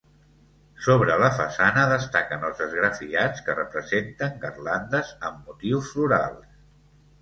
Sobre la façana destaquen els esgrafiats que representen garlandes amb motius florals.